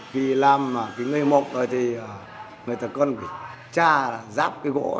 khi làm cái nghề mộc rồi thì người ta còn phải tra rác cái gỗ